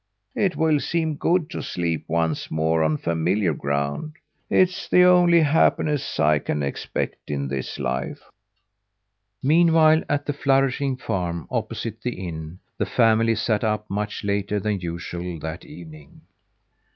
"It will seem good to sleep once more on familiar ground. It's the only happiness I can expect in this life." Meanwhile, at the flourishing farm opposite the inn, the family sat up much later than usual that evening.